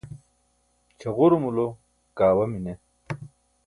cʰaġurumulo kaawa mine